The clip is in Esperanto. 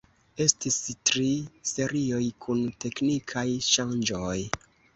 Estis tri serioj kun teknikaj ŝanĝoj.